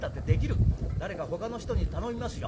誰かほかの人に頼みますよ。ね？